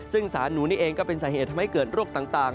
ซึ่งสารหนูนี่เองก็เป็นสาเหตุทำให้เกิดโรคต่าง